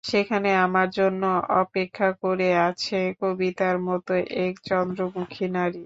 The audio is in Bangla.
সেখানে আমার জন্য অপেক্ষা করে আছে কবিতার মতো এক চন্দ্রমুখী নারী।